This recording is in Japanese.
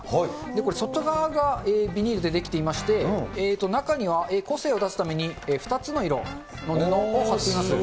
これ、外側がビニールで出来ていまして、中には個性を出すために、２つのすごい。